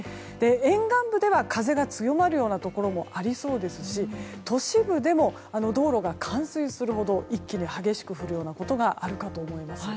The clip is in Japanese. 沿岸部では風が強まるようなところもありそうですし都市部でも道路が冠水するほど一気に激しく降るようなことがあるかと思います。